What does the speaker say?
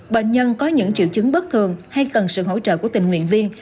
bệnh nhân có những triệu chứng bất thường hay cần sự hỗ trợ của tình nguyện viên